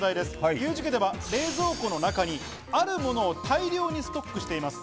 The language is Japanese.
ユージ家では冷蔵庫の中にあるものを大量にストックしています。